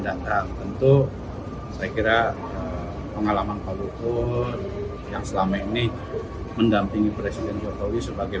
datang tentu saya kira pengalaman pak luhur yang selama ini mendampingi presiden jokowi sebagai